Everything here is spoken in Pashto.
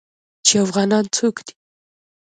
چې افغانان څوک دي.